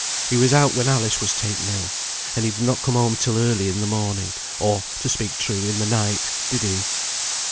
He was out when Alice was taken ill; and he did not come home till early in the morning, or, to speak true, in the night: did he?"